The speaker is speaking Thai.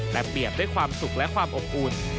และเปรียบด้วยความสุขและความอบอุ่น